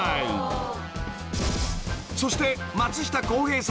［そして］